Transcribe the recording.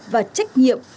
và trách nhiệm